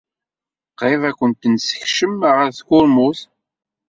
Qrib ad kent-nessekcem ɣer tkurmut.